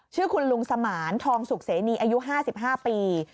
ชื่อคุณลุงสมานทองสุกเสนีอายุ๕๕ปี